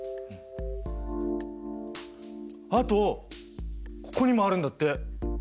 あとここにもあるんだって。